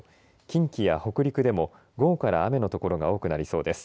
近畿や北陸でも午後から雨の所が多くなりそうです。